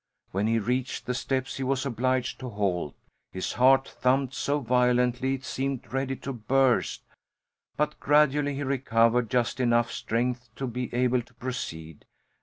When he reached the steps he was obliged to halt. His heart thumped so violently it seemed ready to burst. But gradually he recovered just enough strength to be able to proceed.